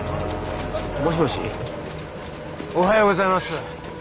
もしもしおはようございます。